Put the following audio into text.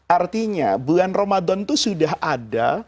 artinya bulan ramadan itu sudah ada